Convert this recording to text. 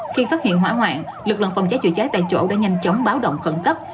khi phát hiện hỏa hoạn lực lượng phòng cháy chữa cháy tại chỗ đã nhanh chóng báo động khẩn cấp